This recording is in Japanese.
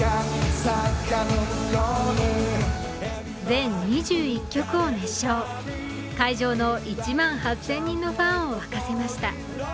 全２１曲を熱唱、会場の１万８０００人のファンを沸かせました。